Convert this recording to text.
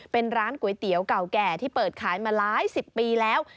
เป็นร้านก๋วยเตี๋ยวเก่าแก่ที่เปิดขายมาหลายสิบปีแล้ว